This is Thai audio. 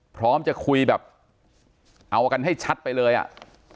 พร้อมจะคุยแบบเอากันให้ชัดไปเลยอ่ะ